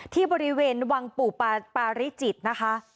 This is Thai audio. ที่บริเวณวังปู่ปาริจิตนะคะ